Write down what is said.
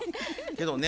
けどね